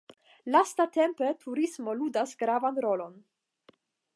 Lastatempe turismo ludas gravan rolon.